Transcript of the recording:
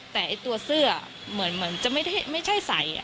แต่ตัวเสื้อเหมือนจะไม่ใช่ใส่